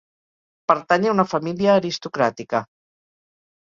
Pertany a una família aristocràtica.